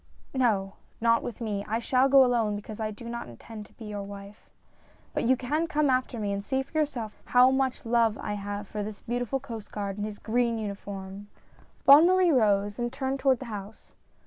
" No, not with me. I shall go alone, because I do not intend to be your wife ; hut you can come after me and see for yourself how much love I have for this beautiful Coast Guard in his green uniform !" Bonne Marie rose, and turned toward the house.